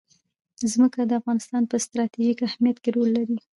ځمکه د افغانستان په ستراتیژیک اهمیت کې رول لري.